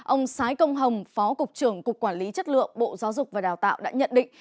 ông sái công hồng phó cục trưởng cục quản lý chất lượng bộ giáo dục và đào tạo đã nhận định